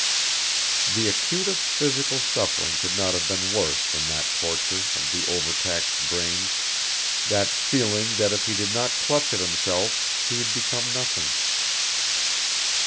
The acutest physical suffering could not have been worse than that torture of the over taxed brain, that feeling that if he did not clutch at himself he would become nothing.